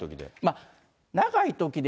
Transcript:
長いときで。